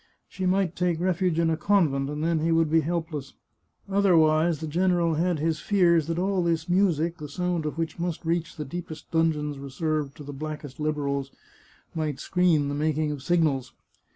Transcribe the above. She might take refuge in a convent, and then he would be helpless. Otherwise the general had his fears 358 The Chartreuse of Parma that all this music, the sound of which must reach the deep est dungeons reserved to the blackest Liberals, might screen the making of signals.